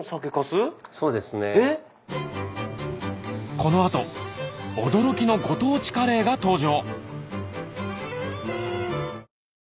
この後驚きのご当地カレーが登場